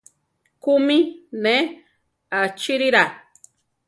¿Kúmi ne achíirira?